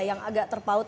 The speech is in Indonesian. yang agak terpaut